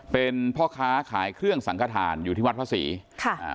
เป็นพ่อค้าขายเครื่องสังขทานอยู่ที่วัดพระศรีค่ะอ่า